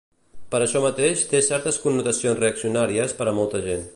Per això mateix té certes connotacions reaccionàries per a molta gent.